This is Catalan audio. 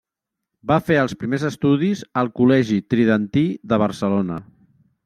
Va fer els primers estudis al Col·legi Tridentí de Barcelona.